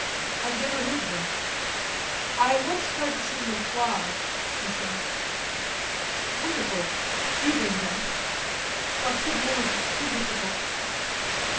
I've never heard them." "I once tried to sing Le Soir," she said. "Wonderful. Do bring it out." "But, good Lord, it's too difficult."